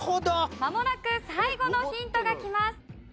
まもなく最後のヒントがきます。